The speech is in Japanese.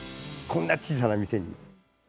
こんな小さな店に。